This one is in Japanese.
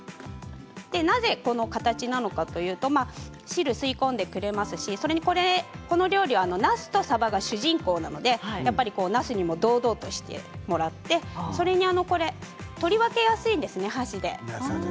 なぜこの形なのかというと汁を吸い込んでくれますしこのお料理は、なすとさばが主人公なのでなすにも堂々としてもらってそれに、取り分けやすいんですね箸で。